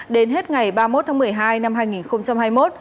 đến hết ngày ba mươi một tháng một mươi hai năm hai nghìn hai mươi một